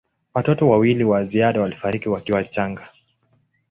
Watoto wawili wa ziada walifariki wakiwa wachanga.